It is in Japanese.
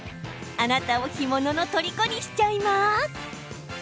あなたを干物のとりこにしちゃいます。